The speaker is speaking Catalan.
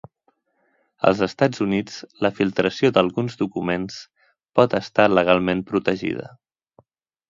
Als Estats Units, la filtració d'alguns documents pot estar legalment protegida.